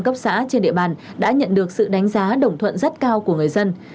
cấp xã trên địa bàn đã nhận được sự đánh giá đồng thuận rất cao của người dân